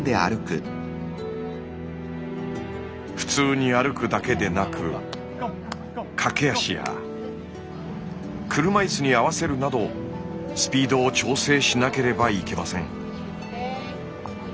普通に歩くだけでなく駆け足や車いすに合わせるなどスピードを調整しなければいけません。